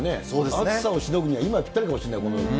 暑さをしのぐには今ぴったりかもしれない。